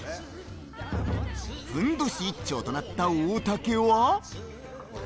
ふんどし１丁となった大竹は。